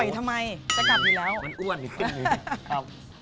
อ่อยทำไมจะกลับอยู่แล้วมันอ้วนขึ้น